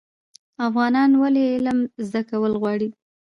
افغانان ولې علم زده کول غواړي؟